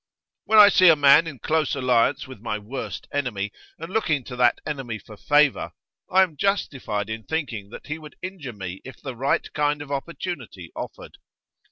'When I see a man in close alliance with my worst enemy, and looking to that enemy for favour, I am justified in thinking that he would injure me if the right kind of opportunity offered.